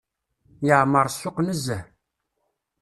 Yeɛmer ssuq nezzeh.